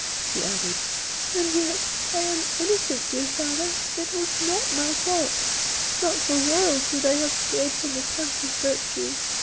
she added. "And yet I am innocent, dear father—it was not my fault—not for worlds would I have strayed from the path of virtue!